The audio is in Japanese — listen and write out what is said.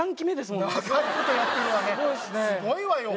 すごいわよ